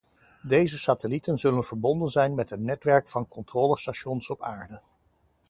Deze satellieten zullen verbonden zijn met een netwerk van controlestations op aarde.